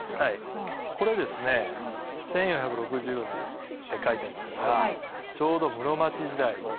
これですね１４６０年って書いてありますがちょうど室町時代の地形図なんですね。